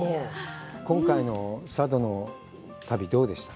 今回の佐渡の旅、どうでした？